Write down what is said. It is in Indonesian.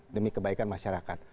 demi kebaikan masyarakat